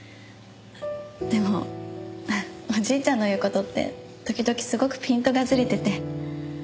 でもおじいちゃんの言う事って時々すごくピントがずれてて。